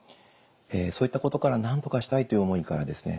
そういったことからなんとかしたいという思いからですね